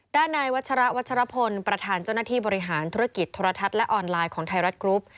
ด้านนายวัชระวัชรพลประธานเจ้าหน้าที่บริหารธุรกิจโทรทัศน์และออนไลน์ของไทยรัฐกรุ๊ป